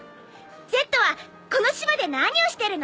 Ｚはこの島で何をしてるの？